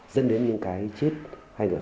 dân đến những cái chết hay là